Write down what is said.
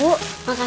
sabar ma nummer